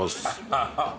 ハハハ！